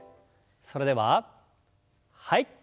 それでははい。